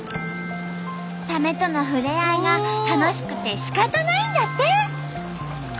サメとのふれあいが楽しくてしかたないんだって。